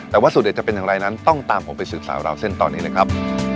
แต่ว่าสูตเด็ดจะเป็นอย่างไรนั้นต้องตามผมไปสืบสาวราวเส้นตอนนี้เลยครับ